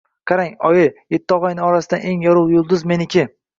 Qarang, oyi, Yetti og‘ayni orasidagi eng yorug‘ yulduz — meniki.